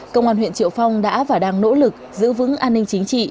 công an huyện triệu phong đã và đang nỗ lực giữ vững an ninh chính trị